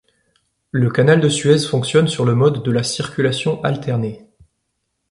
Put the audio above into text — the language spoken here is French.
Le canal de Suez fonctionne sur le mode de la circulation alternée.